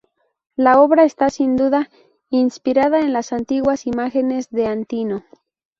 La obra está sin duda inspirada en las antiguas imágenes de Antínoo.